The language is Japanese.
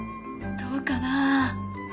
どうかな？